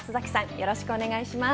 よろしくお願いします。